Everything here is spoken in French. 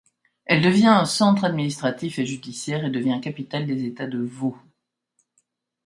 Elle devient un centre administratif et judiciaire et devient capitale des États de Vaud.